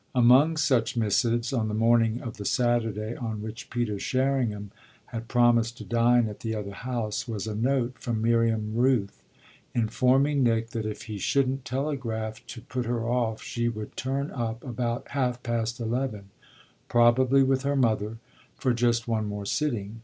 Among such missives, on the morning of the Saturday on which Peter Sherringham had promised to dine at the other house, was a note from Miriam Rooth, informing Nick that if he shouldn't telegraph to put her off she would turn up about half past eleven, probably with her mother, for just one more sitting.